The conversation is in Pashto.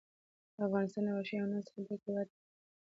افغانستان له وحشي حیواناتو څخه ډک هېواد دی.